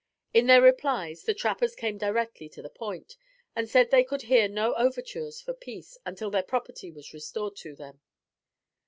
In their replies, the trappers came directly to the point, and said they could hear no overtures for peace, until their property was restored to them.